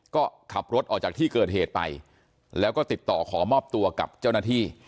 ก็ขับรถออกจากที่เกิดเหตุไปแล้วก็ติดต่อขอมอบตัวกับเจ้าหน้าที่